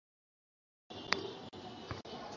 ওহ, এটা খারাপ হয়নি।